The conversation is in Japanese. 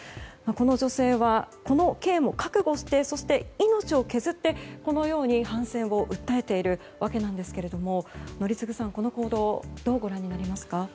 この女性はこの刑も覚悟してそして、命を削ってこのように反戦を訴えているわけなんですが宜嗣さん、この報道どうご覧になりますか。